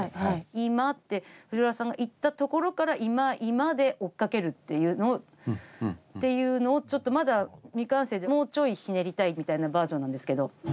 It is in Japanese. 「今」って藤原さんが言ったところから「今」「今」で追っかけるっていうのをっていうのをちょっとまだ未完成でもうちょいひねりたいみたいなバージョンなんですけど。